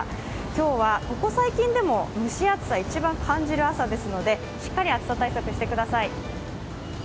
今日はここ最近でも蒸し暑さ、一番感じる朝ですので、しっかり暑さ対策してください。